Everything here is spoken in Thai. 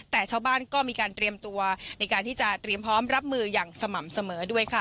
แต่ชาวบ้านก็มีการเตรียมตัวในการที่จะเตรียมพร้อมรับมืออย่างสม่ำเสมอด้วยค่ะ